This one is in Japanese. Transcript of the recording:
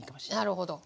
なるほど！